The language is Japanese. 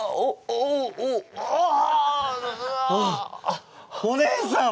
あっお姉さん！